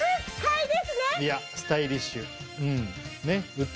いやスタイリッシュうんねっ。